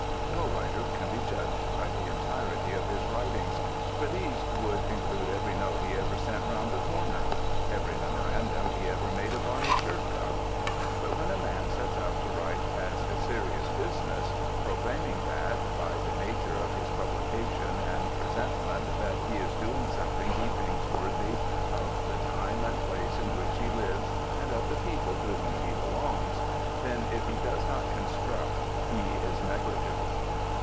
No writer can be judged by the entirety of his writings, for these would include every note he ever sent round the corner; every memorandum he ever made upon his shirt cuff. But when a man sets out to write as a serious business, proclaiming that by the nature of his publication and presentment that he is doing something he thinks worthy of the time and place in which he lives and of the people to whom he belongs, then if he does not construct he is negligible.